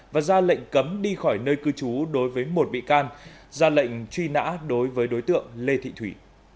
và ra lệnh cấm đi khỏi nơi cư trú đối với một bị can ra lệnh truy nã đối với đối tượng lê thị thủy